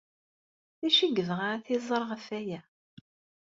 D acu ay yebɣa ad t-iẓer ɣef waya?